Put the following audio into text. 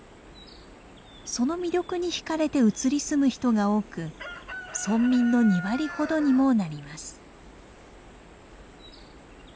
その魅力にひかれて移り住む人が多く村民の２割ほどにもなります。